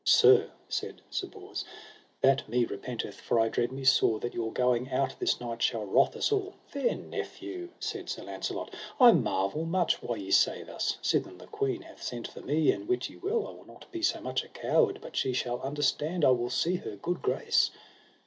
Sir, said Sir Bors, that me repenteth, for I dread me sore that your going out this night shall wrath us all. Fair nephew, said Sir Launcelot, I marvel much why ye say thus, sithen the queen hath sent for me; and wit ye well I will not be so much a coward, but she shall understand I will see her good grace.